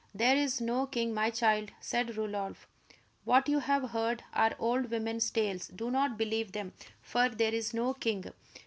"There is no king, my child," said Rodolph. "What you have heard are old women's tales. Do not believe them, for there is no king."